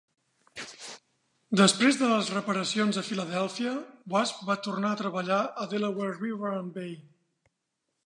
Després de les reparacions a Philadelphia, "Wasp" va tornar a treballar a Delaware River and Bay.